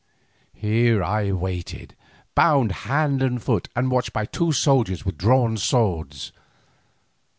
Here I waited a while, bound hand and foot and watched by two soldiers with drawn swords.